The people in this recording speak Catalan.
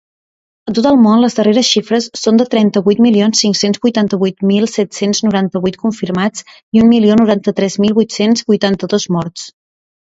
A tot el món, les darreres xifres són de trenta-vuit milions cinc-cents vuitanta-vuit mil set-cents noranta-vuit confirmats i un milió noranta-tres mil vuit-cents vuitanta-dos morts.